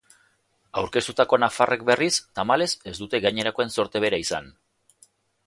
Aurkeztutako nafarrek, berriz, tamalez, ez dute gainerakoen zorte bera izan.